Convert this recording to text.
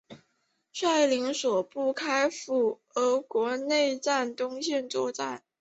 率领所部开赴俄国内战东线作战。